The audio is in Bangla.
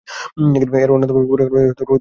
এর অন্যতম পরিকল্পনা ছিল অতিরিক্ত স্তম্ভ যোগ করা।